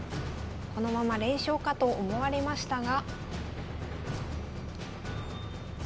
このまま連勝かと思われましたが。